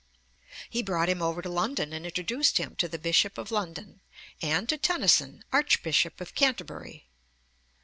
He brought him over to London, and introduced him to the Bishop of London, and to Tenison, Archbishop of Canterbury (pp.